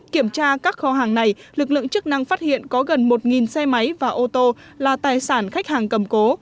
kiểm tra các kho hàng này lực lượng chức năng phát hiện có gần một xe máy và ô tô là tài sản khách hàng cầm cố